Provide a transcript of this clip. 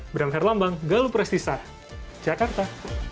bramherlambang galup restisah jakarta